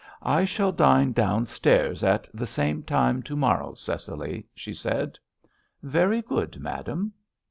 "I shall dine downstairs at the same time to morrow, Cecily," she said. "Very good, madame."